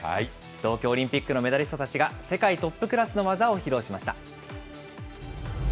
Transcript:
東京オリンピックのメダリストたちが、世界トップクラスの技を披露しました。